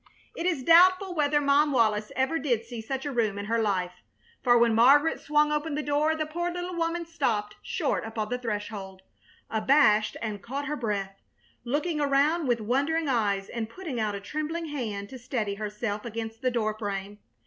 It is doubtful whether Mom Wallis ever did see such a room in her life; for when Margaret swung open the door the poor little woman stopped short on the threshold, abashed, and caught her breath, looking around with wondering eyes and putting out a trembling hand to steady herself against the door frame.